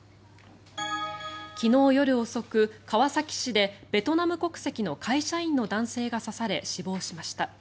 昨日夜遅く、川崎市でベトナム国籍の会社員の男性が刺され死亡しました。